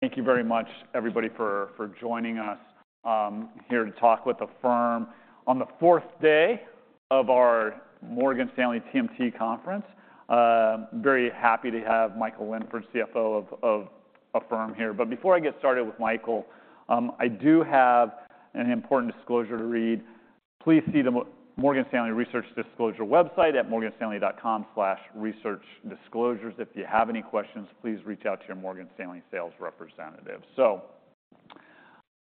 Thank you very much, everybody, for joining us here to talk with Affirm on the fourth day of our Morgan Stanley TMT conference. Very happy to have Michael Linford, CFO of Affirm here. But before I get started with Michael, I do have an important disclosure to read. Please see the Morgan Stanley Research Disclosure website at morganstanley.com/researchdisclosures. If you have any questions, please reach out to your Morgan Stanley sales representative. So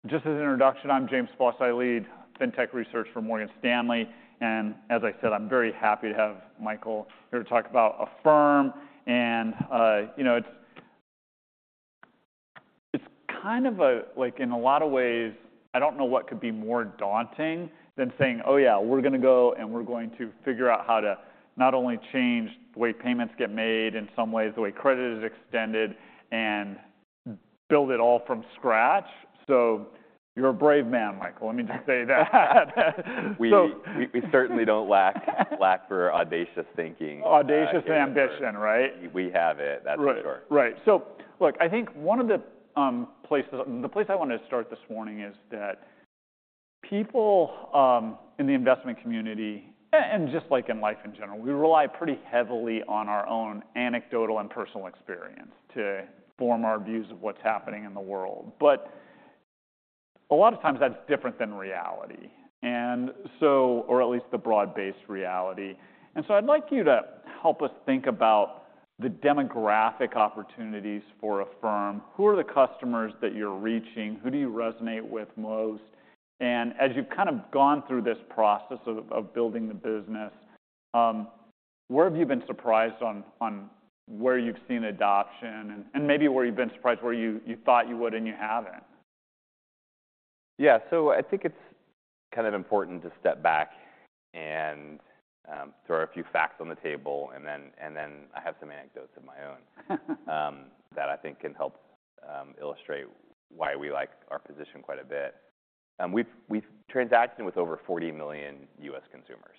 just as an introduction, I'm James Faucette. I lead fintech research for Morgan Stanley. And as I said, I'm very happy to have Michael here to talk about Affirm. It's kind of a, in a lot of ways, I don't know what could be more daunting than saying, "Oh yeah, we're going to go and we're going to figure out how to not only change the way payments get made in some ways, the way credit is extended, and build it all from scratch." You're a brave man, Michael. Let me just say that. We certainly don't lack for audacious thinking. Audacious ambition, right? We have it. That's for sure. Right. So look, I think one of the places I wanted to start this morning is that people in the investment community and just in life in general, we rely pretty heavily on our own anecdotal and personal experience to form our views of what's happening in the world. But a lot of times, that's different than reality, or at least the broad-based reality. And so I'd like you to help us think about the demographic opportunities for Affirm. Who are the customers that you're reaching? Who do you resonate with most? And as you've kind of gone through this process of building the business, where have you been surprised on where you've seen adoption and maybe where you've been surprised where you thought you would and you haven't? Yeah. So I think it's kind of important to step back and throw a few facts on the table. Then I have some anecdotes of my own that I think can help illustrate why we like our position quite a bit. We've transacted with over 40 million U.S. consumers.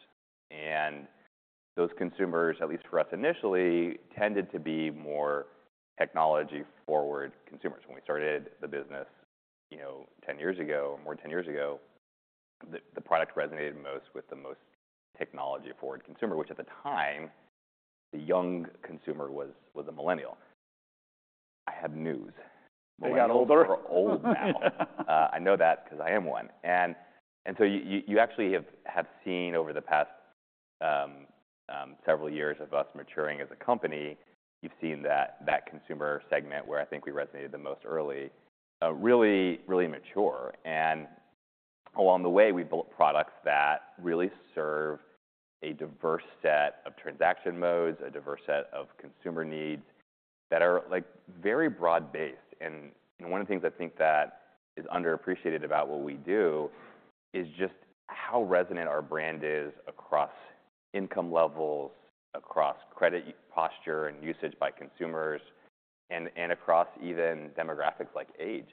Those consumers, at least for us initially, tended to be more technology-forward consumers. When we started the business 10 years ago, more than 10 years ago, the product resonated most with the most technology-forward consumer, which at the time, the young consumer was a millennial. I have news. They got older? They're old now. I know that because I am one. And so you actually have seen over the past several years of us maturing as a company, you've seen that consumer segment where I think we resonated the most early really mature. And along the way, we've built products that really serve a diverse set of transaction modes, a diverse set of consumer needs that are very broad-based. And one of the things I think that is underappreciated about what we do is just how resonant our brand is across income levels, across credit posture and usage by consumers, and across even demographics like age.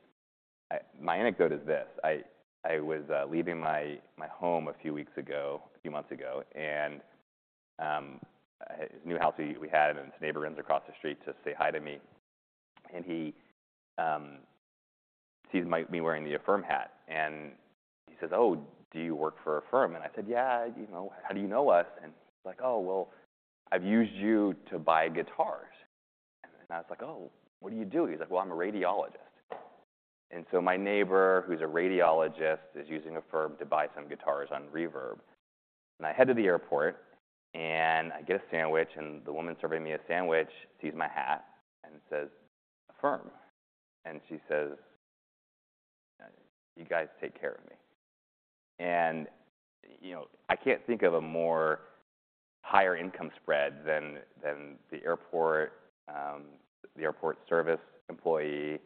My anecdote is this. I was leaving my home a few weeks ago, a few months ago. And it was a new house we had. And then his neighbor runs across the street to say hi to me. He sees me wearing the Affirm hat. He says, "Oh, do you work for Affirm?" I said, "Yeah. How do you know us?" He's like, "Oh, well, I've used you to buy guitars." I was like, "Oh, what do you do?" He's like, "Well, I'm a radiologist." So my neighbor, who's a radiologist, is using Affirm to buy some guitars on Reverb. I head to the airport. I get a sandwich. The woman serving me a sandwich sees my hat and says, "Affirm." She says, "You guys take care of me." I can't think of a more higher-income spread than the airport service employee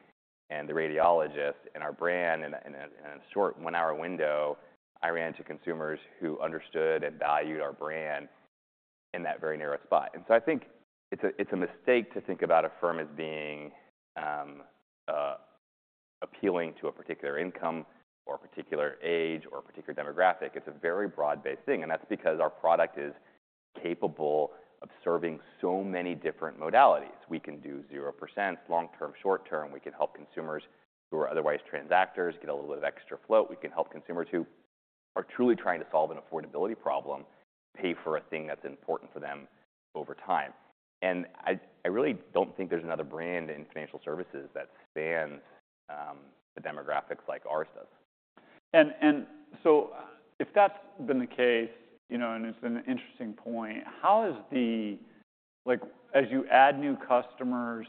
and the radiologist. Our brand, in a short one-hour window, I ran into consumers who understood and valued our brand in that very narrow spot. I think it's a mistake to think about Affirm as being appealing to a particular income or a particular age or a particular demographic. It's a very broad-based thing. That's because our product is capable of serving so many different modalities. We can do 0% long-term, short-term. We can help consumers who are otherwise transactors get a little bit of extra float. We can help consumers who are truly trying to solve an affordability problem pay for a thing that's important for them over time. I really don't think there's another brand in financial services that spans the demographics like ours does. And so if that's been the case, and it's an interesting point, as you add new customers,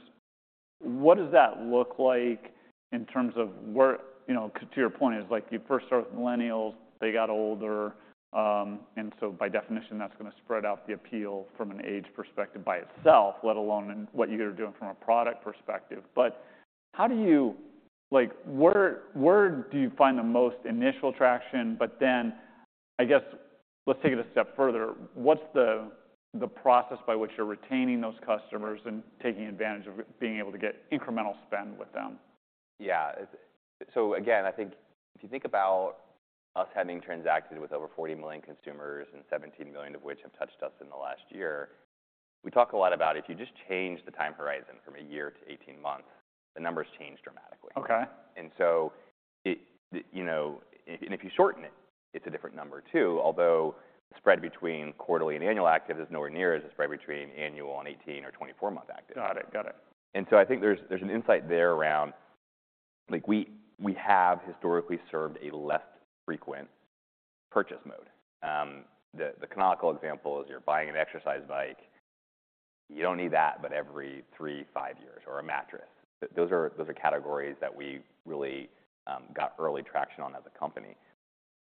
what does that look like in terms of where, too, your point, it's like you first start with millennials. They got older. And so by definition, that's going to spread out the appeal from an age perspective by itself, let alone what you're doing from a product perspective. But where do you find the most initial traction? But then I guess let's take it a step further. What's the process by which you're retaining those customers and taking advantage of being able to get incremental spend with them? Yeah. So again, I think if you think about us having transacted with over 40 million consumers, and 17 million of which have touched us in the last year, we talk a lot about if you just change the time horizon from a year to 18 months, the numbers change dramatically. And if you shorten it, it's a different number too, although the spread between quarterly and annual active is nowhere near as the spread between annual and 18 or 24-month active. Got it. Got it. And so I think there's an insight there around we have historically served a less frequent purchase mode. The canonical example is you're buying an exercise bike. You don't need that, but every three, five years, or a mattress. Those are categories that we really got early traction on as a company.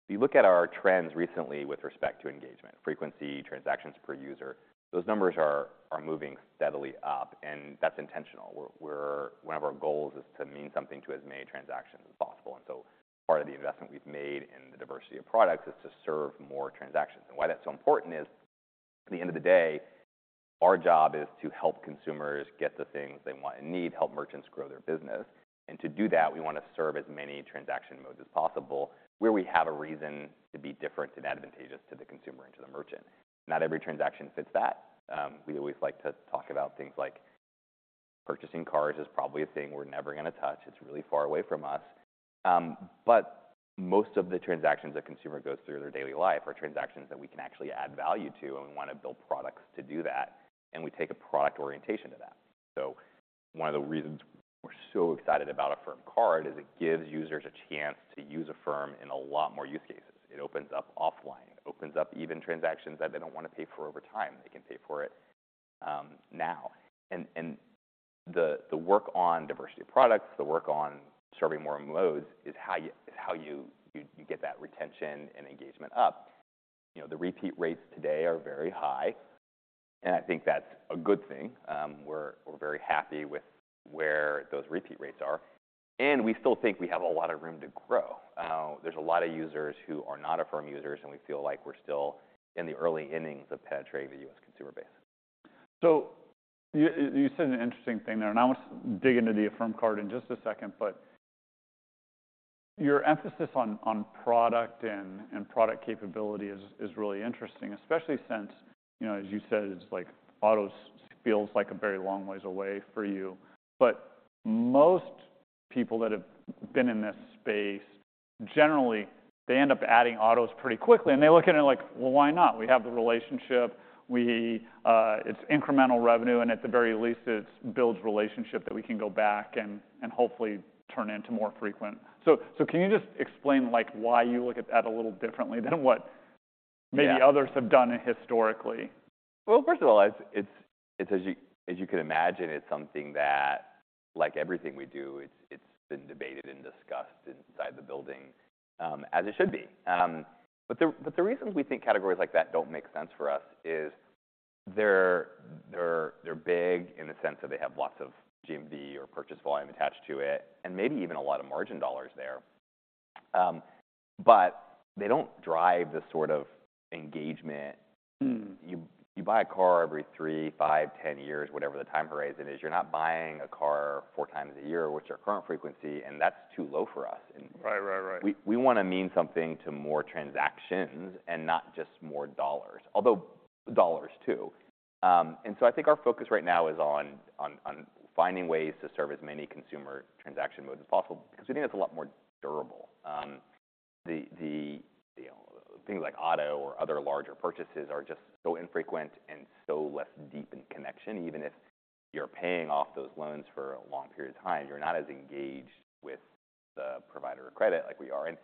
If you look at our trends recently with respect to engagement, frequency, transactions per user, those numbers are moving steadily up. And that's intentional. One of our goals is to mean something to as many transactions as possible. And so part of the investment we've made in the diversity of products is to serve more transactions. And why that's so important is, at the end of the day, our job is to help consumers get the things they want and need, help merchants grow their business. And to do that, we want to serve as many transaction modes as possible where we have a reason to be different and advantageous to the consumer and to the merchant. Not every transaction fits that. We always like to talk about things like purchasing cars is probably a thing we're never going to touch. It's really far away from us. But most of the transactions a consumer goes through their daily life are transactions that we can actually add value to. And we want to build products to do that. And we take a product orientation to that. So one of the reasons we're so excited about Affirm Card is it gives users a chance to use Affirm in a lot more use cases. It opens up offline. It opens up even transactions that they don't want to pay for over time. They can pay for it now. The work on diversity of products, the work on serving more modes is how you get that retention and engagement up. The repeat rates today are very high. I think that's a good thing. We're very happy with where those repeat rates are. We still think we have a lot of room to grow. There's a lot of users who are not Affirm users. We feel like we're still in the early innings of penetrating the U.S. consumer base. So you said an interesting thing there. And I want to dig into the Affirm Card in just a second. But your emphasis on product and product capability is really interesting, especially since, as you said, autos feels like a very long ways away for you. But most people that have been in this space, generally, they end up adding autos pretty quickly. And they look at it like, "Well, why not? We have the relationship. It's incremental revenue. And at the very least, it builds relationship that we can go back and hopefully turn into more frequent." So can you just explain why you look at that a little differently than what maybe others have done historically? Well, first of all, as you can imagine, it's something that, like everything we do, it's been debated and discussed inside the building as it should be. But the reasons we think categories like that don't make sense for us is they're big in the sense that they have lots of GMV or purchase volume attached to it and maybe even a lot of margin dollars there. But they don't drive the sort of engagement. You buy a car every 3, 5, 10 years, whatever the time horizon is. You're not buying a car 4 times a year, which is our current frequency. And that's too low for us. And we want to mean something to more transactions and not just more dollars, although dollars too. And so I think our focus right now is on finding ways to serve as many consumer transaction modes as possible because we think that's a lot more durable. Things like auto or other larger purchases are just so infrequent and so less deep in connection. Even if you're paying off those loans for a long period of time, you're not as engaged with the provider of credit like we are. And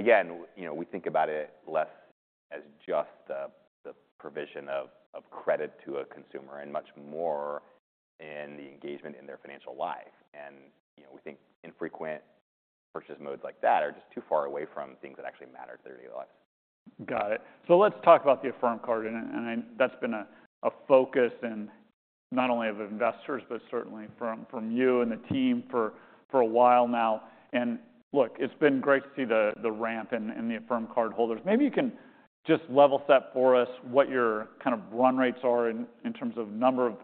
again, we think about it less as just the provision of credit to a consumer and much more in the engagement in their financial life. And we think infrequent purchase modes like that are just too far away from things that actually matter to their daily lives. Got it. So let's talk about the Affirm Card. And that's been a focus not only of investors but certainly from you and the team for a while now. And look, it's been great to see the ramp in the Affirm Card holders. Maybe you can just level set for us what your kind of run rates are in terms of number of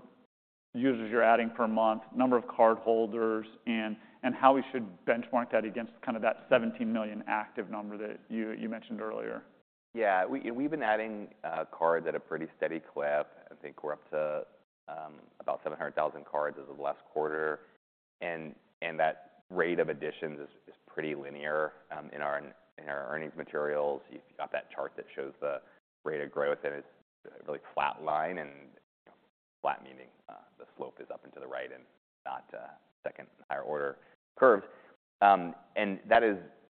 users you're adding per month, number of card holders, and how we should benchmark that against kind of that 17 million active number that you mentioned earlier. Yeah. We've been adding cards at a pretty steady clip. I think we're up to about 700,000 cards over the last quarter. That rate of additions is pretty linear in our earnings materials. You've got that chart that shows the rate of growth. It's a really flat line and flat, meaning the slope is up and to the right and not second higher order curves.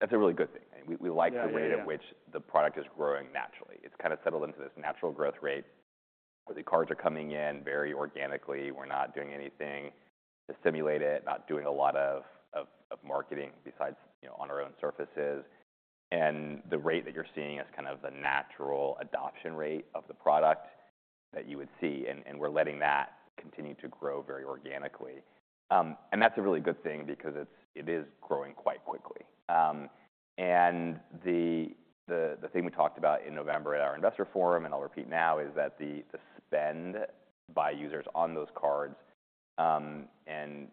That's a really good thing. We like the rate at which the product is growing naturally. It's kind of settled into this natural growth rate. The cards are coming in very organically. We're not doing anything to stimulate it, not doing a lot of marketing besides on our own surfaces. The rate that you're seeing is kind of the natural adoption rate of the product that you would see. We're letting that continue to grow very organically. And that's a really good thing because it is growing quite quickly. And the thing we talked about in November at our investor forum, and I'll repeat now, is that the spend by users on those cards and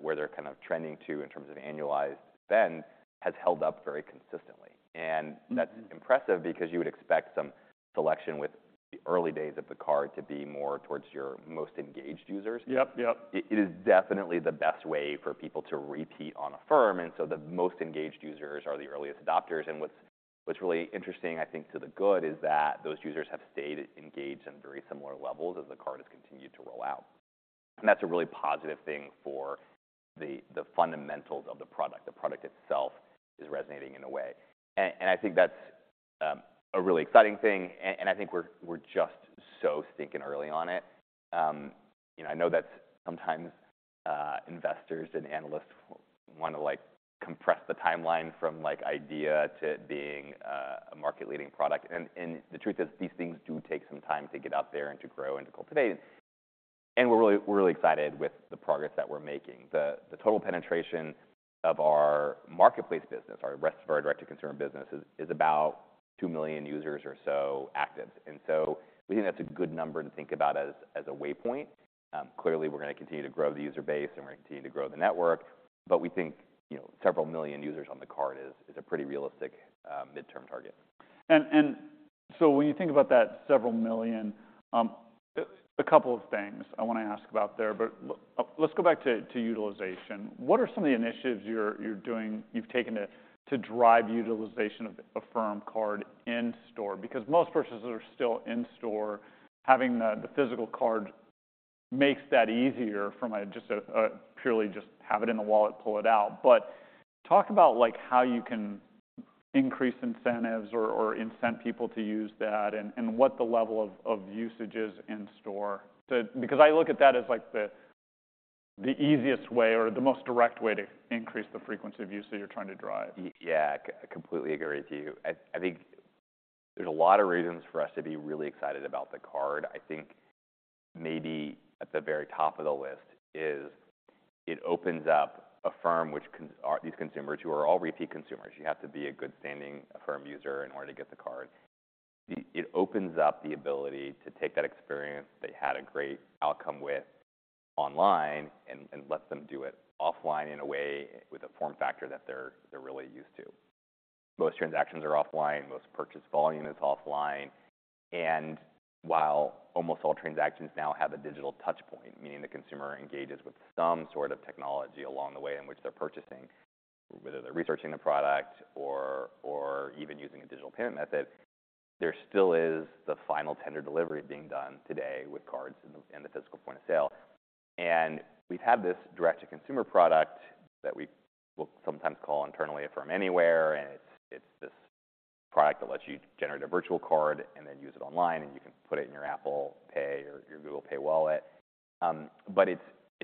where they're kind of trending to in terms of annualized spend has held up very consistently. And that's impressive because you would expect some selection with the early days of the card to be more towards your most engaged users. It is definitely the best way for people to repeat on Affirm. And so the most engaged users are the earliest adopters. And what's really interesting, I think, to the good is that those users have stayed engaged on very similar levels as the card has continued to roll out. And that's a really positive thing for the fundamentals of the product. The product itself is resonating in a way. I think that's a really exciting thing. I think we're just so stinking early on it. I know that sometimes investors and analysts want to compress the timeline from idea to being a market-leading product. The truth is, these things do take some time to get out there and to grow and to cultivate. We're really excited with the progress that we're making. The total penetration of our marketplace business, our rest of our direct-to-consumer business, is about 2 million users or so active. So we think that's a good number to think about as a waypoint. Clearly, we're going to continue to grow the user base. We're going to continue to grow the network. But we think several million users on the card is a pretty realistic mid-term target. And so when you think about that several million, a couple of things I want to ask about there. But let's go back to utilization. What are some of the initiatives you've taken to drive utilization of Affirm Card in-store? Because most purchases are still in-store. Having the physical card makes that easier from just purely just have it in the wallet, pull it out. But talk about how you can increase incentives or incent people to use that and what the level of usage is in-store because I look at that as the easiest way or the most direct way to increase the frequency of use that you're trying to drive. Yeah. I completely agree with you. I think there's a lot of reasons for us to be really excited about the card. I think maybe at the very top of the list is it opens up Affirm, which these consumers who are all repeat consumers, you have to be a good-standing Affirm user in order to get the card. It opens up the ability to take that experience they had a great outcome with online and let them do it offline in a way with a form factor that they're really used to. Most transactions are offline. Most purchase volume is offline. While almost all transactions now have a digital touchpoint, meaning the consumer engages with some sort of technology along the way in which they're purchasing, whether they're researching the product or even using a digital payment method, there still is the final tender delivery being done today with cards in the physical point of sale. We've had this direct-to-consumer product that we will sometimes call internally Affirm Anywhere. It's this product that lets you generate a virtual card and then use it online. You can put it in your Apple Pay or your Google Pay wallet. But it's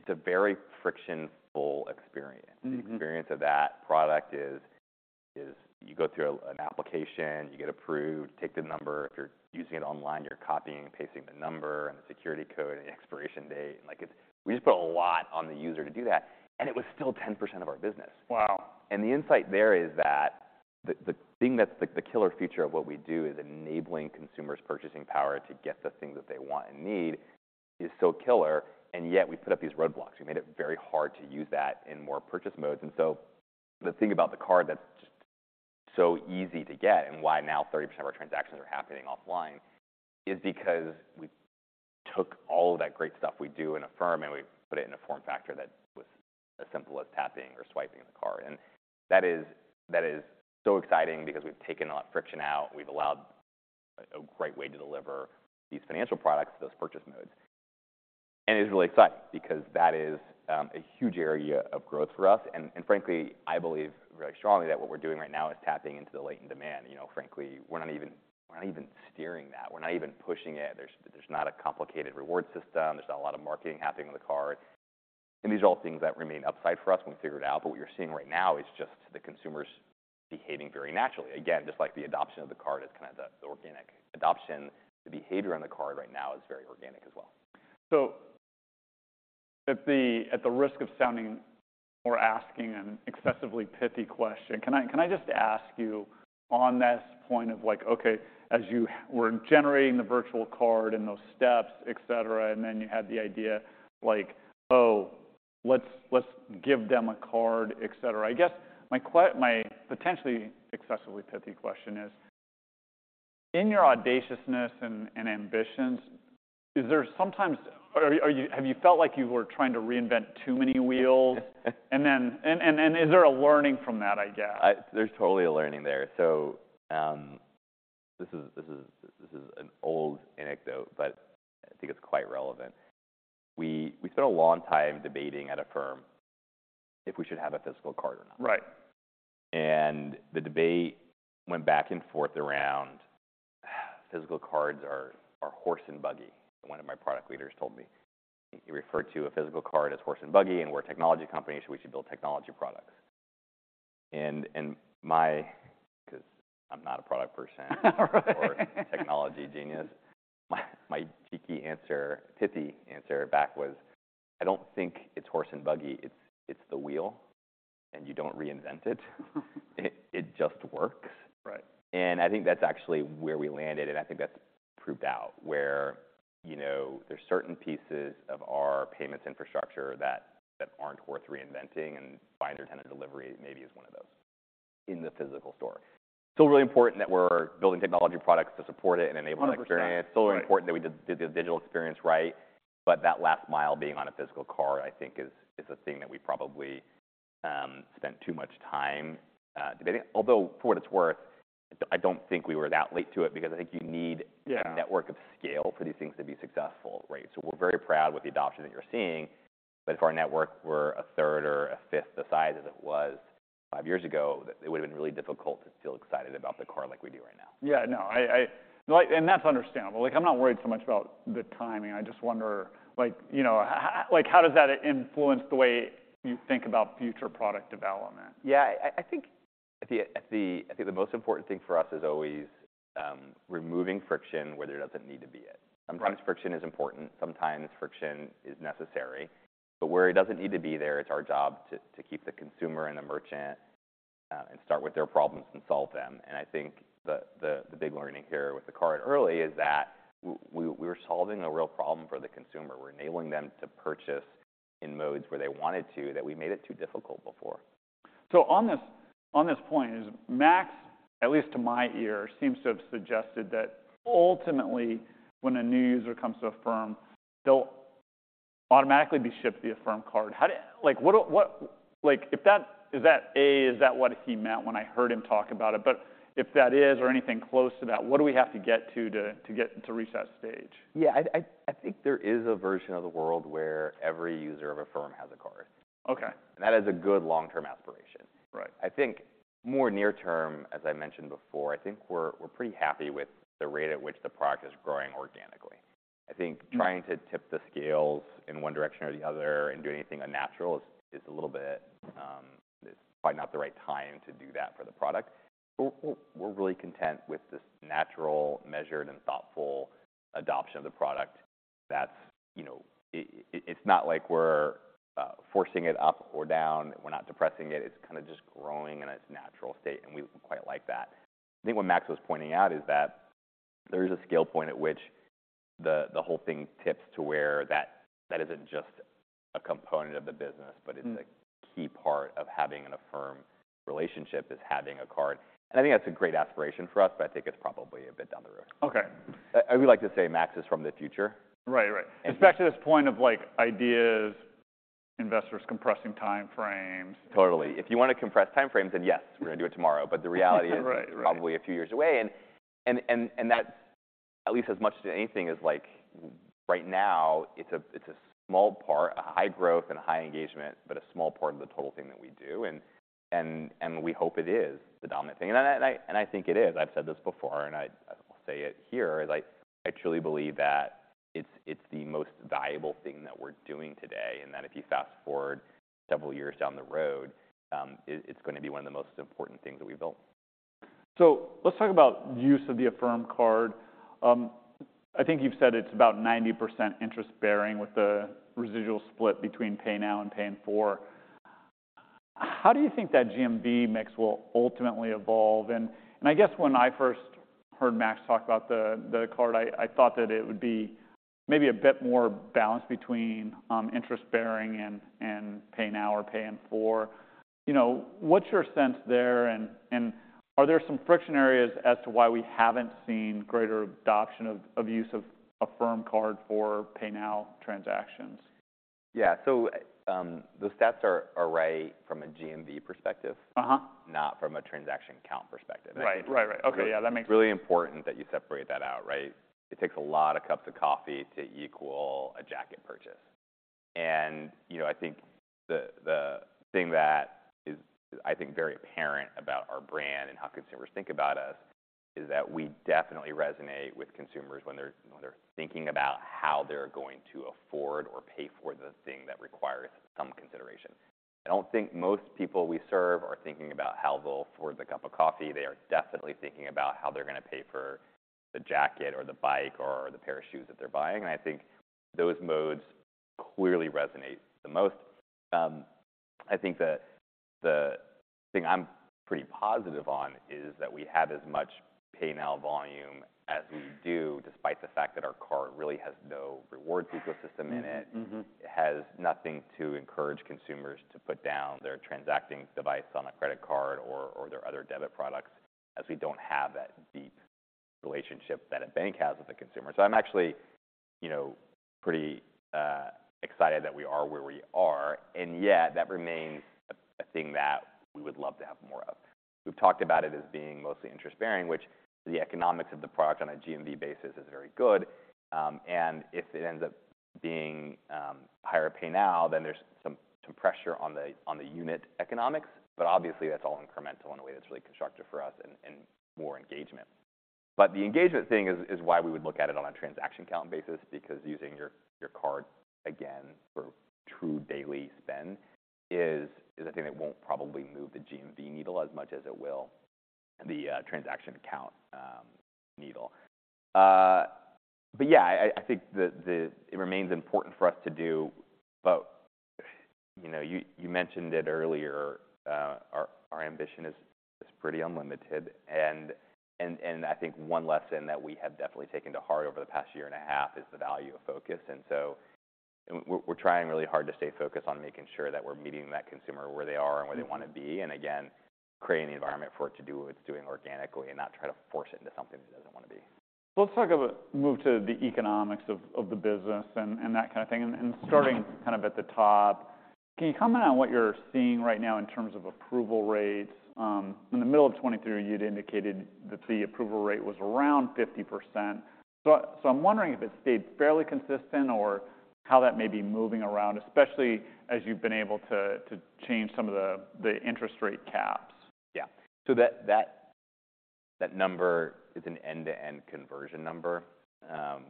a very friction-full experience. The experience of that product is you go through an application. You get approved. Take the number. If you're using it online, you're copying and pasting the number and the security code and the expiration date. We just put a lot on the user to do that. It was still 10% of our business. Wow. The insight there is that the thing that's the killer feature of what we do is enabling consumers' purchasing power to get the things that they want and need is so killer. Yet, we put up these roadblocks. We made it very hard to use that in more purchase modes. So the thing about the card that's just so easy to get and why now 30% of our transactions are happening offline is because we took all of that great stuff we do in Affirm. And we put it in a form factor that was as simple as tapping or swiping the card. And that is so exciting because we've taken a lot of friction out. We've allowed a great way to deliver these financial products to those purchase modes. And it's really exciting because that is a huge area of growth for us. Frankly, I believe very strongly that what we're doing right now is tapping into the latent demand. Frankly, we're not even steering that. We're not even pushing it. There's not a complicated reward system. There's not a lot of marketing happening on the card. And these are all things that remain upside for us when we figure it out. But what you're seeing right now is just the consumers behaving very naturally. Again, just like the adoption of the card is kind of the organic adoption, the behavior on the card right now is very organic as well. So, at the risk of sounding more asking an excessively pithy question, can I just ask you on this point of like, OK, as you were generating the virtual card and those steps, et cetera, and then you had the idea like, oh, let's give them a card, et cetera? I guess my potentially excessively pithy question is, in your audaciousness and ambitions, have you felt like you were trying to reinvent too many wheels? And is there a learning from that, I guess? There's totally a learning there. So this is an old anecdote. But I think it's quite relevant. We spent a long time debating at Affirm if we should have a physical card or not. And the debate went back and forth around physical cards are horse and buggy, one of my product leaders told me. He referred to a physical card as horse and buggy. And we're a technology company. So we should build technology products. And because I'm not a product person or technology genius, my cheeky answer, pithy answer back was, I don't think it's horse and buggy. It's the wheel. And you don't reinvent it. It just works. And I think that's actually where we landed. And I think that's proved out, where there's certain pieces of our payments infrastructure that aren't worth reinventing. And final tender delivery maybe is one of those in the physical store. It's still really important that we're building technology products to support it and enable that experience. It's still really important that we did the digital experience right. But that last mile being on a physical card, I think, is the thing that we probably spent too much time debating. Although, for what it's worth, I don't think we were that late to it because I think you need a network of scale for these things to be successful, right? So we're very proud with the adoption that you're seeing. But if our network were a third or a fifth the size as it was five years ago, it would have been really difficult to feel excited about the card like we do right now. Yeah. No. That's understandable. I'm not worried so much about the timing. I just wonder, how does that influence the way you think about future product development? Yeah. I think the most important thing for us is always removing friction where there doesn't need to be it. Sometimes friction is important. Sometimes friction is necessary. But where it doesn't need to be there, it's our job to keep the consumer and the merchant and start with their problems and solve them. And I think the big learning here with the card early is that we were solving a real problem for the consumer. We're enabling them to purchase in modes where they wanted to that we made it too difficult before. So on this point, Max, at least to my ear, seems to have suggested that ultimately, when a new user comes to Affirm, they'll automatically be shipped the Affirm Card. Is that, is that what he meant when I heard him talk about it? But if that is or anything close to that, what do we have to get to to reach that stage? Yeah. I think there is a version of the world where every user of Affirm has a card. That is a good long-term aspiration. I think more near-term, as I mentioned before, I think we're pretty happy with the rate at which the product is growing organically. I think trying to tip the scales in one direction or the other and do anything unnatural is a little bit, it's probably not the right time to do that for the product. But we're really content with this natural, measured, and thoughtful adoption of the product. It's not like we're forcing it up or down. We're not depressing it. It's kind of just growing in its natural state. We quite like that. I think what Max was pointing out is that there is a scale point at which the whole thing tips to where that isn't just a component of the business, but it's a key part of having an Affirm relationship is having a card. And I think that's a great aspiration for us. But I think it's probably a bit down the road. OK. I would like to say Max is from the future. Right. Right. And back to this point of ideas, investors compressing time frames. Totally. If you want to compress time frames, then yes, we're going to do it tomorrow. But the reality is probably a few years away. And that, at least as much as anything, is like right now, it's a small part, a high growth and high engagement, but a small part of the total thing that we do. And we hope it is the dominant thing. And I think it is. I've said this before. And I'll say it here, I truly believe that it's the most valuable thing that we're doing today and that if you fast forward several years down the road, it's going to be one of the most important things that we've built. So let's talk about use of the Affirm Card. I think you've said it's about 90% interest bearing with the residual split between Pay Now and Pay in 4. How do you think that GMV mix will ultimately evolve? And I guess when I first heard Max talk about the card, I thought that it would be maybe a bit more balanced between interest bearing and Pay Now or Pay in 4. What's your sense there? And are there some friction areas as to why we haven't seen greater adoption of use of Affirm Card for Pay Now transactions? Yeah. So those stats are right from a GMV perspective, not from a transaction count perspective. Right. Right. Right. OK. Yeah. That makes. It's really important that you separate that out, right? It takes a lot of cups of coffee to equal a jacket purchase. And I think the thing that is, I think, very apparent about our brand and how consumers think about us is that we definitely resonate with consumers when they're thinking about how they're going to afford or pay for the thing that requires some consideration. I don't think most people we serve are thinking about how they'll afford the cup of coffee. They are definitely thinking about how they're going to pay for the jacket or the bike or the pair of shoes that they're buying. And I think those modes clearly resonate the most. I think the thing I'm pretty positive on is that we have as much Pay Now volume as we do despite the fact that our card really has no rewards ecosystem in it. It has nothing to encourage consumers to put down their transacting device on a credit card or their other debit products as we don't have that deep relationship that a bank has with a consumer. So I'm actually pretty excited that we are where we are. And yet, that remains a thing that we would love to have more of. We've talked about it as being mostly interest bearing, which the economics of the product on a GMV basis is very good. And if it ends up being higher Pay Now, then there's some pressure on the unit economics. But obviously, that's all incremental in a way that's really constructive for us and more engagement. But the engagement thing is why we would look at it on a transaction count basis because using your card, again, for true daily spend is a thing that won't probably move the GMV needle as much as it will the transaction count needle. But yeah, I think it remains important for us to do. But you mentioned it earlier. Our ambition is pretty unlimited. And I think one lesson that we have definitely taken to heart over the past year and a half is the value of focus. And so we're trying really hard to stay focused on making sure that we're meeting that consumer where they are and where they want to be and, again, creating the environment for it to do what it's doing organically and not try to force it into something that it doesn't want to be. So let's move to the economics of the business and that kind of thing. Starting kind of at the top, can you comment on what you're seeing right now in terms of approval rates? In the middle of 2023, you'd indicated that the approval rate was around 50%. So I'm wondering if it stayed fairly consistent or how that may be moving around, especially as you've been able to change some of the interest rate caps. Yeah. So that number is an end-to-end conversion number.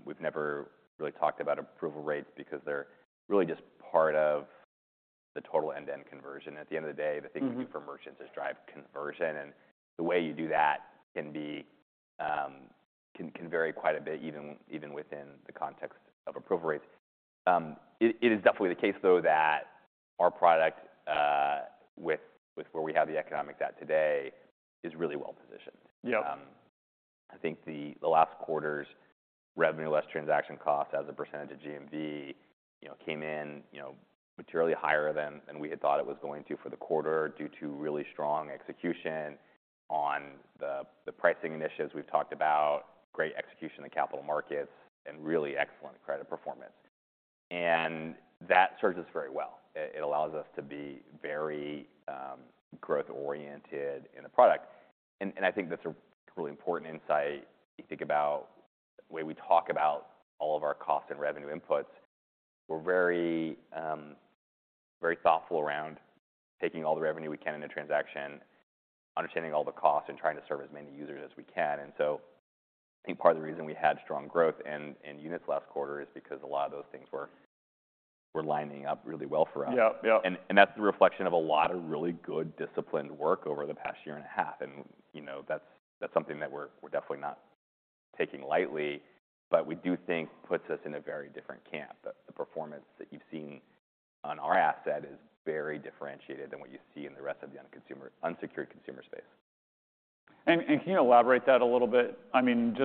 We've never really talked about approval rates because they're really just part of the total end-to-end conversion. At the end of the day, the thing we do for merchants is drive conversion. And the way you do that can vary quite a bit even within the context of approval rates. It is definitely the case, though, that our product with where we have the economics at today is really well positioned. I think the last quarter's revenue less transaction cost as a percentage of GMV came in materially higher than we had thought it was going to for the quarter due to really strong execution on the pricing initiatives we've talked about, great execution in the capital markets, and really excellent credit performance. And that serves us very well. It allows us to be very growth-oriented in the product. I think that's a really important insight. If you think about the way we talk about all of our cost and revenue inputs, we're very thoughtful around taking all the revenue we can in a transaction, understanding all the costs, and trying to serve as many users as we can. And so I think part of the reason we had strong growth in units last quarter is because a lot of those things were lining up really well for us. And that's the reflection of a lot of really good disciplined work over the past year and a half. And that's something that we're definitely not taking lightly. But we do think it puts us in a very different camp. The performance that you've seen on our asset is very differentiated than what you see in the rest of the unsecured consumer space. Can you elaborate that a little bit? I mean,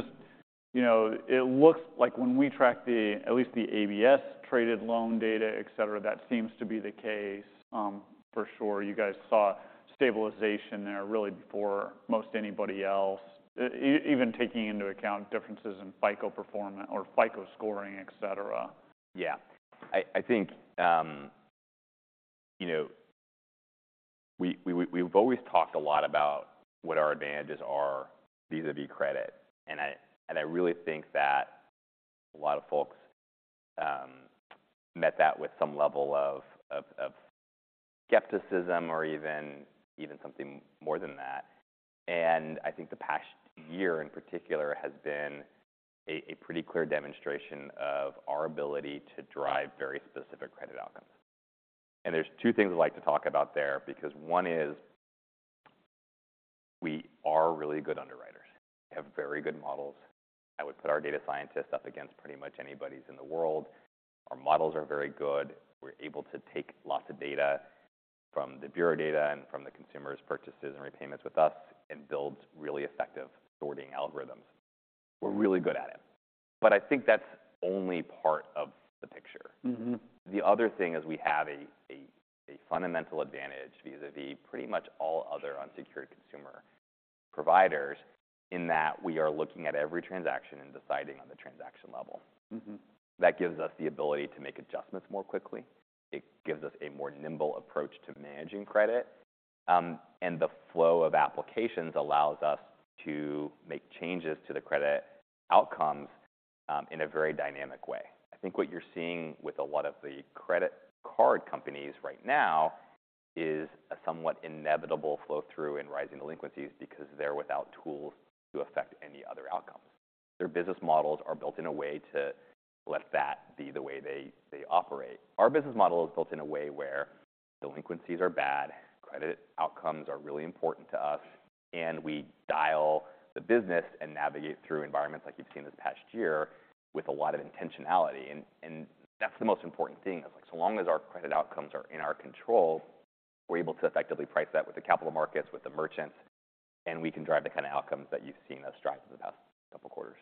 it looks like when we track at least the ABS traded loan data, et cetera, that seems to be the case for sure. You guys saw stabilization there really before most anybody else, even taking into account differences in FICO scoring, et cetera. Yeah. I think we've always talked a lot about what our advantages are vis-à-vis credit. I really think that a lot of folks met that with some level of skepticism or even something more than that. I think the past year in particular has been a pretty clear demonstration of our ability to drive very specific credit outcomes. There's two things I'd like to talk about there because one is we are really good underwriters. We have very good models. I would put our data scientists up against pretty much anybody's in the world. Our models are very good. We're able to take lots of data from the Bureau data and from the consumers' purchases and repayments with us and build really effective sorting algorithms. We're really good at it. I think that's only part of the picture. The other thing is we have a fundamental advantage vis-à-vis pretty much all other unsecured consumer providers in that we are looking at every transaction and deciding on the transaction level. That gives us the ability to make adjustments more quickly. It gives us a more nimble approach to managing credit. And the flow of applications allows us to make changes to the credit outcomes in a very dynamic way. I think what you're seeing with a lot of the credit card companies right now is a somewhat inevitable flow through in rising delinquencies because they're without tools to affect any other outcomes. Their business models are built in a way to let that be the way they operate. Our business model is built in a way where delinquencies are bad, credit outcomes are really important to us, and we dial the business and navigate through environments like you've seen this past year with a lot of intentionality. And that's the most important thing. So long as our credit outcomes are in our control, we're able to effectively price that with the capital markets, with the merchants, and we can drive the kind of outcomes that you've seen us drive in the past couple quarters.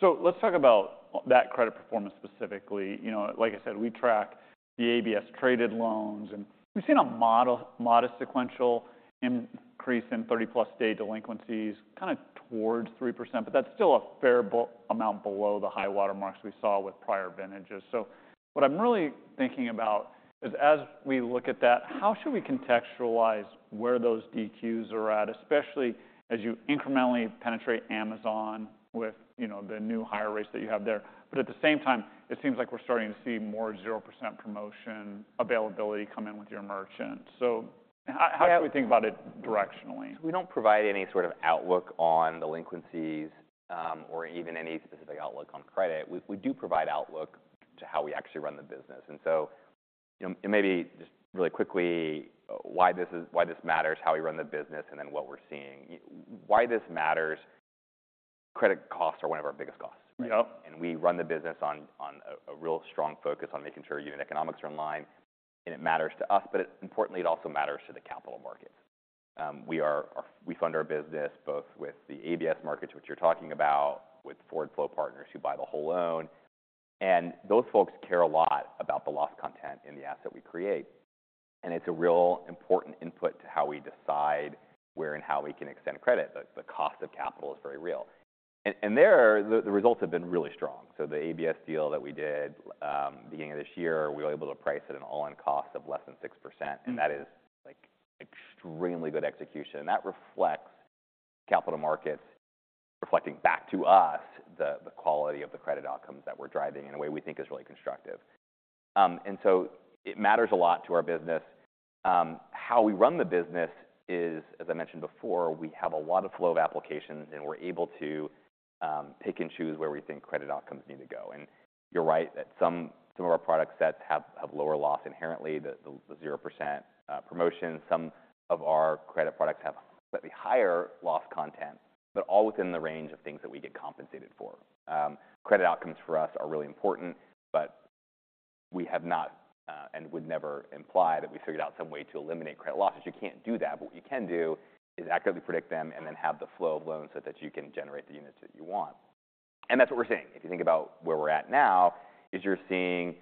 So let's talk about that credit performance specifically. Like I said, we track the ABS traded loans. And we've seen a modest sequential increase in 30+ day delinquencies, kind of towards 3%. But that's still a fair amount below the high watermarks we saw with prior vintages. So what I'm really thinking about is, as we look at that, how should we contextualize where those DQs are at, especially as you incrementally penetrate Amazon with the new higher rates that you have there? But at the same time, it seems like we're starting to see more 0% promotion availability come in with your merchant. So how should we think about it directionally? We don't provide any sort of outlook on delinquencies or even any specific outlook on credit. We do provide outlook to how we actually run the business. Maybe just really quickly, why this matters, how we run the business, and then what we're seeing. Why this matters? Credit costs are one of our biggest costs. We run the business on a real strong focus on making sure unit economics are in line. It matters to us. But importantly, it also matters to the capital markets. We fund our business both with the ABS markets, which you're talking about, with Forward Flow partners who buy the whole loan. Those folks care a lot about the loss content in the asset we create. It's a real important input to how we decide where and how we can extend credit. The cost of capital is very real. And there, the results have been really strong. So the ABS deal that we did beginning of this year, we were able to price it at an all-in cost of less than 6%. And that is extremely good execution. And that reflects capital markets reflecting back to us the quality of the credit outcomes that we're driving in a way we think is really constructive. And so it matters a lot to our business. How we run the business is, as I mentioned before, we have a lot of flow of applications. And we're able to pick and choose where we think credit outcomes need to go. And you're right that some of our product sets have lower loss inherently, the 0% promotion. Some of our credit products have slightly higher loss content, but all within the range of things that we get compensated for. Credit outcomes for us are really important. But we have not and would never imply that we figured out some way to eliminate credit losses. You can't do that. But what you can do is accurately predict them and then have the flow of loans so that you can generate the units that you want. And that's what we're seeing. If you think about where we're at now, you're seeing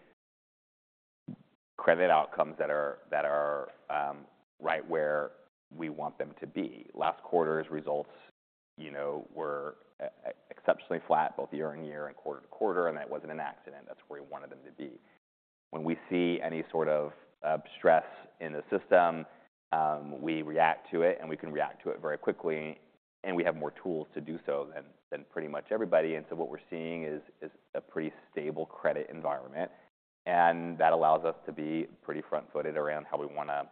credit outcomes that are right where we want them to be. Last quarter's results were exceptionally flat, both year-on-year and quarter-to-quarter. And that wasn't an accident. That's where we wanted them to be. When we see any sort of stress in the system, we react to it. We can react to it very quickly. We have more tools to do so than pretty much everybody. So what we're seeing is a pretty stable credit environment. That allows us to be pretty front-footed around how we want to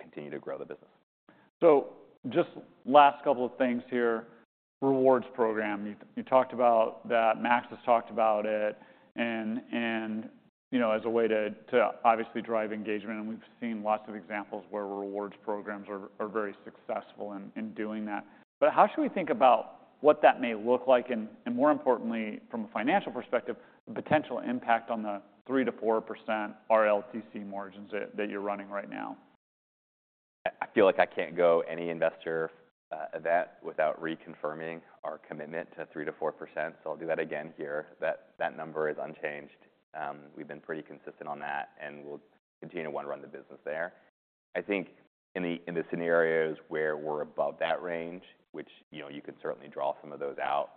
continue to grow the business. Just last couple of things here. Rewards program. You talked about that. Max has talked about it as a way to obviously drive engagement. And we've seen lots of examples where rewards programs are very successful in doing that. But how should we think about what that may look like and, more importantly, from a financial perspective, the potential impact on the 3%-4% RLTC margins that you're running right now? I feel like I can't go any investor event without reconfirming our commitment to 3%-4%. So I'll do that again here. That number is unchanged. We've been pretty consistent on that. And we'll continue to want to run the business there. I think in the scenarios where we're above that range, which you can certainly draw some of those out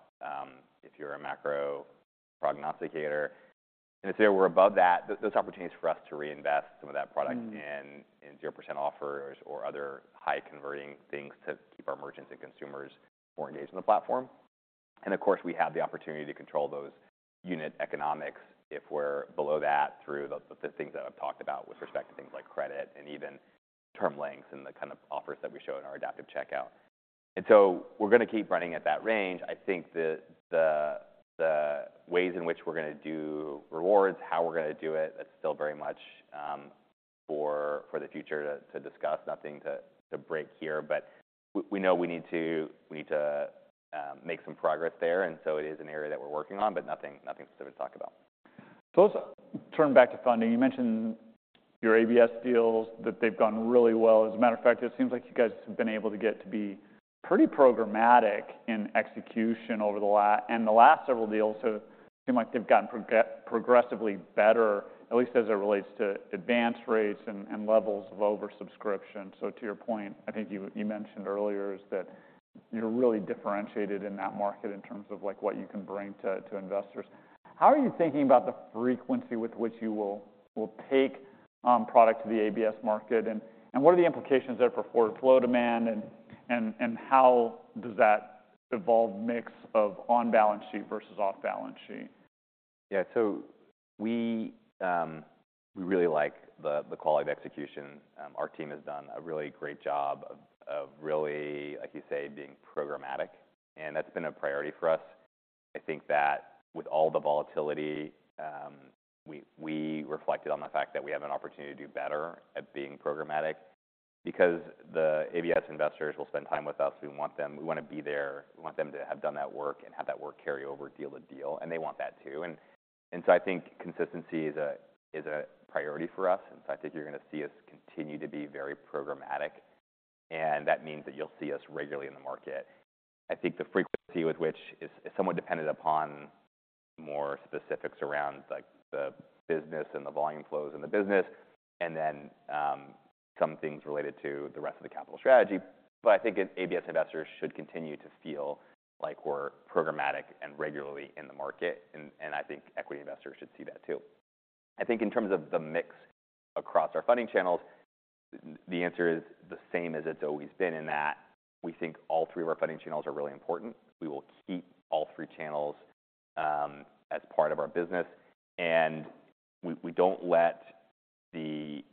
if you're a macro prognosticator, in the scenario where we're above that, those opportunities for us to reinvest some of that product in 0% offers or other high-converting things to keep our merchants and consumers more engaged in the platform. And of course, we have the opportunity to control those unit economics if we're below that through the things that I've talked about with respect to things like credit and even term lengths and the kind of offers that we show in our Adaptive Checkout. We're going to keep running at that range. I think the ways in which we're going to do rewards, how we're going to do it, that's still very much for the future to discuss. Nothing to break here. But we know we need to make some progress there. And so it is an area that we're working on, but nothing specific to talk about. So let's turn back to funding. You mentioned your ABS deals, that they've gone really well. As a matter of fact, it seems like you guys have been able to get to be pretty programmatic in execution over the last several deals, have seemed like they've gotten progressively better, at least as it relates to advance rates and levels of oversubscription. So to your point, I think you mentioned earlier is that you're really differentiated in that market in terms of what you can bring to investors. How are you thinking about the frequency with which you will take product to the ABS market? And what are the implications there for Forward Flow demand? And how does that evolving mix of on-balance sheet versus off-balance sheet? Yeah. So we really like the quality of execution. Our team has done a really great job of really, like you say, being programmatic. And that's been a priority for us. I think that with all the volatility, we reflected on the fact that we have an opportunity to do better at being programmatic because the ABS investors will spend time with us. We want them. We want to be there. We want them to have done that work and have that work carry over deal to deal. And they want that too. And so I think consistency is a priority for us. And so I think you're going to see us continue to be very programmatic. And that means that you'll see us regularly in the market. I think the frequency with which is somewhat dependent upon more specifics around the business and the volume flows in the business and then some things related to the rest of the capital strategy. I think ABS investors should continue to feel like we're programmatic and regularly in the market. I think equity investors should see that too. I think in terms of the mix across our funding channels, the answer is the same as it's always been in that we think all three of our funding channels are really important. We will keep all three channels as part of our business. We don't let the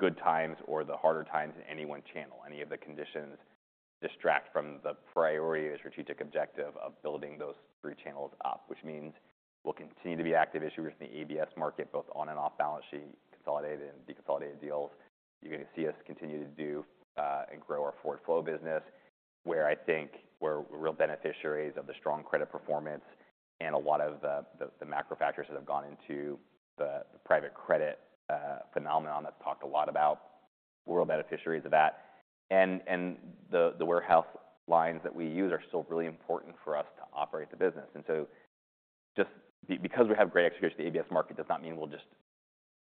good times or the harder times in any one channel, any of the conditions, distract from the priority of a strategic objective of building those three channels up, which means we'll continue to be active issuers in the ABS market, both on and off-balance sheet, consolidated and deconsolidated deals. You're going to see us continue to do and grow our Forward Flow business, where I think we're real beneficiaries of the strong credit performance. A lot of the macro factors that have gone into the private credit phenomenon that's talked a lot about, we're real beneficiaries of that. The warehouse lines that we use are still really important for us to operate the business. So just because we have great execution of the ABS market does not mean we'll just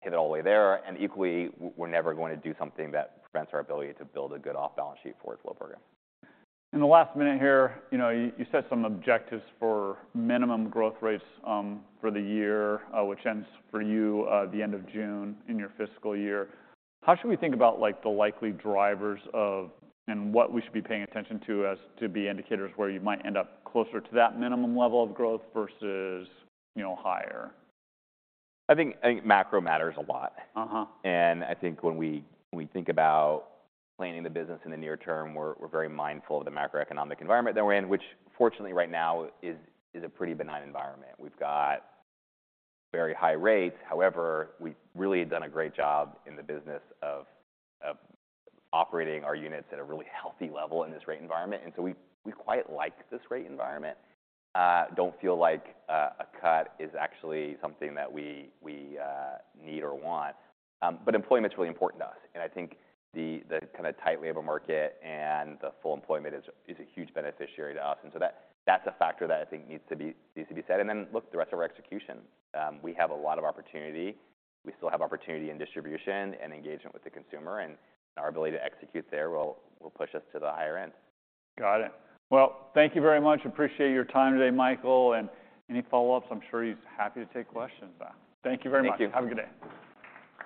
pivot all the way there. Equally, we're never going to do something that prevents our ability to build a good off-balance sheet Forward Flow program. In the last minute here, you set some objectives for minimum growth rates for the year, which ends for you the end of June in your fiscal year. How should we think about the likely drivers of and what we should be paying attention to as to be indicators where you might end up closer to that minimum level of growth versus higher? I think macro matters a lot. And I think when we think about planning the business in the near term, we're very mindful of the macroeconomic environment that we're in, which fortunately right now is a pretty benign environment. We've got very high rates. However, we really had done a great job in the business of operating our units at a really healthy level in this rate environment. And so we quite like this rate environment, don't feel like a cut is actually something that we need or want. But employment's really important to us. And I think the kind of tight labor market and the full employment is a huge beneficiary to us. And so that's a factor that I think needs to be said. And then look, the rest of our execution. We have a lot of opportunity. We still have opportunity in distribution and engagement with the consumer. And our ability to execute there will push us to the higher end. Got it. Well, thank you very much. Appreciate your time today, Michael. And any follow-ups, I'm sure he's happy to take questions. Thank you very much. Thank you. Have a good day.